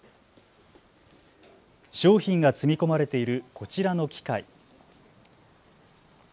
商品が積み込まれているこちらの機械。